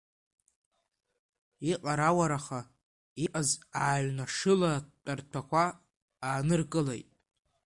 Икарауараха иҟаз ааҩнашыла атәарҭақәа ааныркылеит.